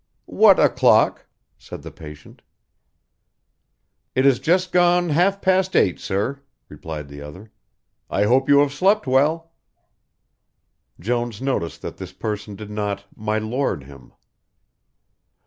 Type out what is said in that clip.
"What o'clock?" said the patient. "It has just gone half past eight, sir," replied the other. "I hope you have slept well." Jones noticed that this person did not "my Lord" him.